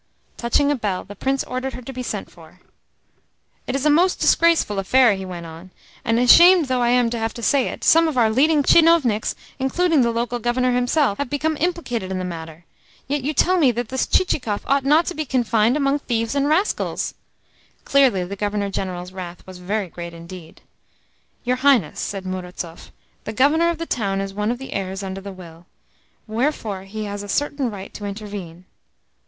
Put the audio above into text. Touching a bell, the Prince ordered her to be sent for. "It is a most disgraceful affair," he went on; "and, ashamed though I am to have to say it, some of our leading tchinovniks, including the local Governor himself, have become implicated in the matter. Yet you tell me that this Chichikov ought not to be confined among thieves and rascals!" Clearly the Governor General's wrath was very great indeed. "Your Highness," said Murazov, "the Governor of the town is one of the heirs under the will: wherefore he has a certain right to intervene.